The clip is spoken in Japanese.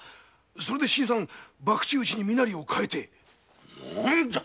それで新さんバクチ打ちに身なりを変えて。